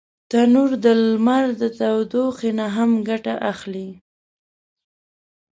تنور د لمر د تودوخي نه هم ګټه اخلي